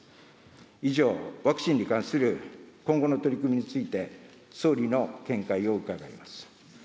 以上、ワクチンに関する今後の取り組みについて、総理の見解を伺います。